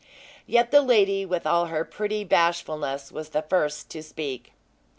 Yet the lady, with all her pretty bashfulness, was the first to speak.